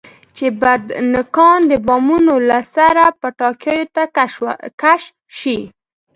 چې بډنکان د بامونو له سره پټاکیو ته کش شي.